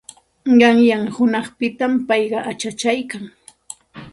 Qayna hunanpitam payqa achachaykan.